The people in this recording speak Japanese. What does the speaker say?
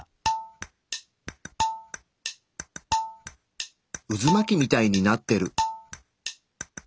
うず巻きみたいになってる！